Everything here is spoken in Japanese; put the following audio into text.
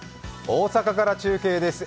大阪から中継です。